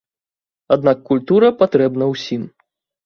Аднак культура патрэбна ўсім.